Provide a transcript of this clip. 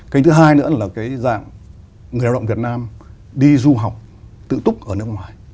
kênh thứ hai nữa là cái dạng người lao động việt nam đi du học tự túc ở nước ngoài